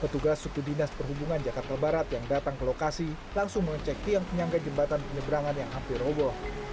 petugas suku dinas perhubungan jakarta barat yang datang ke lokasi langsung mengecek tiang penyanggai jembatan penyeberangan yang hampir robo